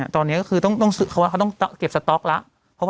ตอนนี้เขาต้องซื้อว่าเขาต้องเก็บสต๊อกแล้ว